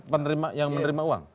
penerima yang menerima uang